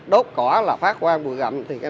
đốt cỏ là phát qua bụi rậm